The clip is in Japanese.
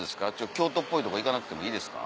京都っぽいとこ行かなくてもいいですか？